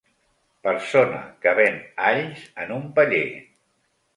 Persona que ven alls en un paller.